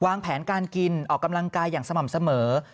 วางแผนการกินออกกำลังกายอย่างสม่ำเสมอ